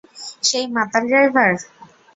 সেই মাতাল ড্রাইভার?